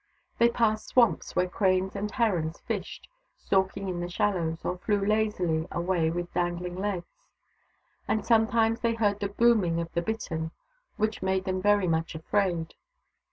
They passed swamps, where cranes and herons fished, stalking in the shallows, or flew lazily away with dangling legs ; and sometimes they heard the booming of the bittern, which made them very much afraid.